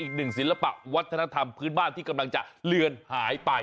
ศิลปะวัฒนธรรมพื้นบ้านที่กำลังจะเลือนหายไป